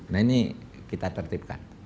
nah ini kita tertibkan